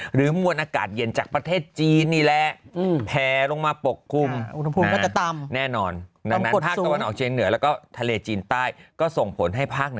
หรือมวลอากาศเย็นจากประเทศจีน